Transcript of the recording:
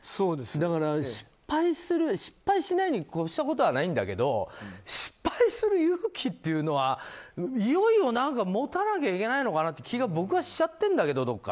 だから、失敗しないことに越したことはないんだけど失敗する勇気というのはいよいよ持たなきゃいけないのかなって気が僕はしちゃってるんだけど。